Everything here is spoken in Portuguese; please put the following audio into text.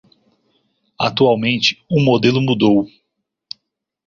Atualmente, o modelo mudou.